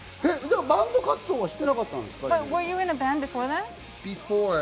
バンド活動はしてなかったんですか？